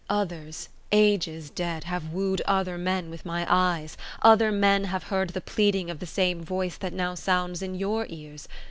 Others, ages dead, have wooed other men with my eyes; other men have heard the pleading of the same voice that now sounds in your ears.